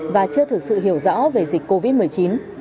và chưa thực sự hiểu rõ về dịch covid một mươi chín